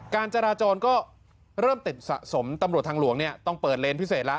การจราจรก็เริ่มติดสะสมตำรวจทางหลวงเนี่ยต้องเปิดเลนพิเศษแล้ว